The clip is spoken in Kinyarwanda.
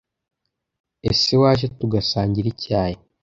ese waje tugasangira icyayi